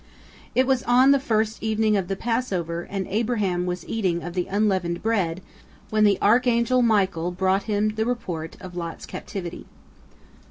It was on the first evening of the Passover, and Abraham was eating of the unleavened bread, when the archangel Michael brought him the report of Lot's captivity.